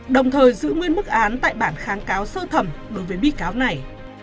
đồng thời giữ nguyên mức án tại bản kháng cáo sơ thẩm đối với bị cáo này